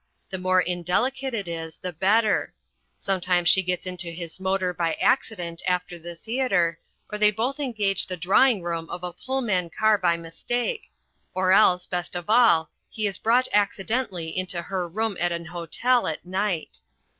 The more indelicate it is, the better. Sometimes she gets into his motor by accident after the theatre, or they both engage the drawing room of a Pullman car by mistake, or else, best of all, he is brought accidentally into her room at an hotel at night.